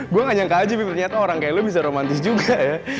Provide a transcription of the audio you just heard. gue gak nyangka aja ternyata orang kayak lo bisa romantis juga ya